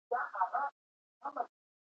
• خندېدل روح ته تازه والی ورکوي.